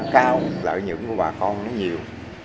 cao lợi nhuận của bà con nó nhiều